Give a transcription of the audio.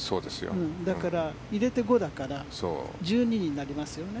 だから、入れて５だから１２になりますよね。